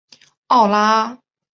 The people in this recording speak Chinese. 奥拉阿。